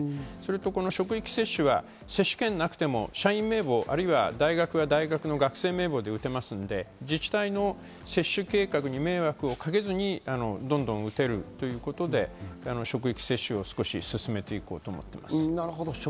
職域接種は接種券がなくても社員名簿、あるいは大学の学生名簿で打てますので、自治体の接種計画に迷惑をかけずに、どんどん打てるということで、職域接種を進めて行こうと思っています。